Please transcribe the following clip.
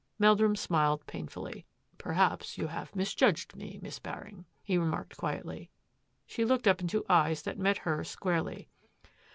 Meldrum smiled painfully. " Perhaps you have misjudged me. Miss Baring," he remarked quietly. She looked up into eyes that met hers squarely.